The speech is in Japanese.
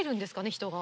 人が。